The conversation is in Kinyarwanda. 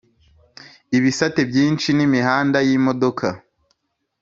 ibisate byinshi n'imihanda y'imodoka.